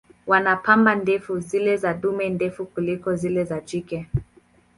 Wana pamba ndefu, zile za dume ndefu kuliko zile za jike.